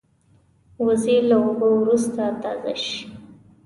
وزې له اوبو وروسته تازه شي